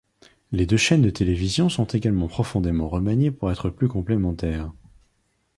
Les deux chaînes de télévision sont également profondément remaniés pour être plus complémentaires.